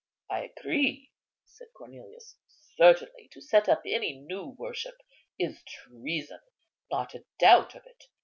"I agree," said Cornelius; "certainly, to set up any new worship is treason; not a doubt of it.